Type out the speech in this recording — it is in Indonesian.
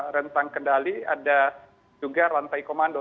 rentang kendali ada juga rantai komando